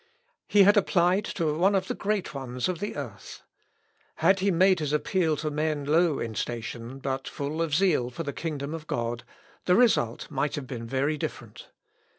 He had applied to one of the great ones of the earth. Had he made his appeal to men low in station, but full of zeal for the kingdom of God, the result might have been very different.